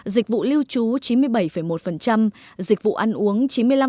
dịch vụ lưu trú chín mươi bảy một dịch vụ ăn uống chín mươi năm